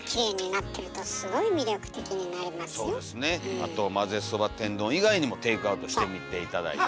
あと混ぜそば天丼以外にもテイクアウトしてみて頂いて。